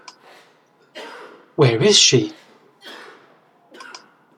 Where is she?